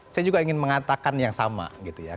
saya juga ingin mengatakan yang sama gitu ya